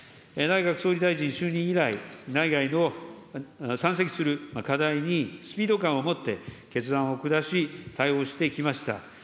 内閣総理大臣就任以来、内外の山積する課題に、スピード感を持って決断を下し、対応してきました。